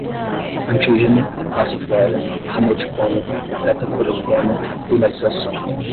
antígeno, passiflora, simeticona, betacoroteno, climatização